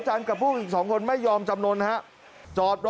ตอนนี้ก็ยิ่งแล้ว